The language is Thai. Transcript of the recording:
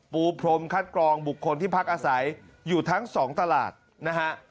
ปูพรมคัดกรองบุคคลที่พักอาศัยอยู่ทั้งสองตลาดนะฮะ